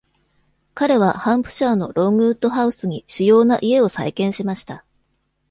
彼は、ハンプシャーのロングウッド・ハウスに主要な家を再建しました。